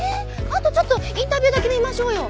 あとちょっとインタビューだけ見ましょうよ。